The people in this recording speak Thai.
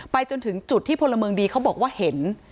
จนถึงจุดที่พลเมืองดีเขาบอกว่าเห็น